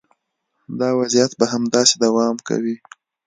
دا وضعیت به همداسې دوام کوي.